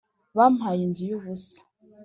bampaye inzu yubusa